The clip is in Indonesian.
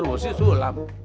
lu mau si sulam